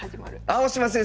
青嶋先生！